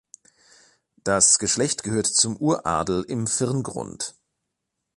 Das Geschlecht gehört zum Uradel im Virngrund.